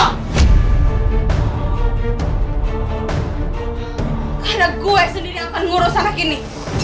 karena gue sendiri yang akan ngurus anak ini